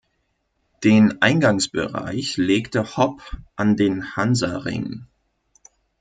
Den Eingangsbereich legte Hopp an den Hansaring.